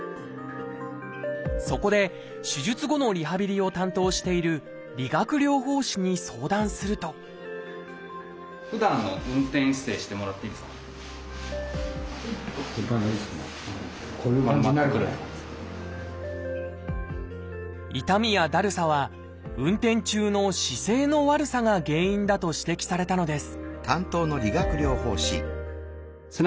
そこで手術後のリハビリを担当している理学療法士に相談すると痛みやだるさは運転中の姿勢の悪さが原因だと指摘されたのです